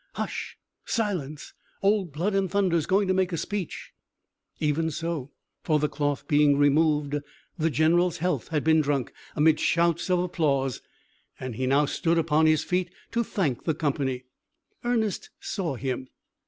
"Hush! silence! Old Blood and Thunder's going to make a speech." Even so; for, the cloth being removed, the general's health had been drunk amid shouts of applause, and he now stood upon his feet to thank the company. Ernest saw him.